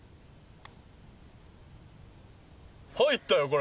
入ったよこれ。